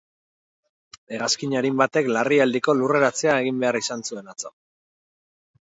Hegazkin arin batek larrialdiko lurreratzea egin behar izan zuen atzo.